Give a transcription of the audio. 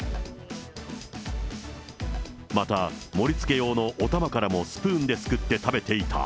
また、盛りつけ用のお玉からもスプーンですくって食べていた。